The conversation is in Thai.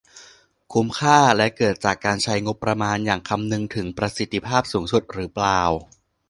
คุ้มค่าและเกิดจากการใช้งบประมาณอย่างคำนึงถึงประสิทธิภาพสูงสุดหรือเปล่า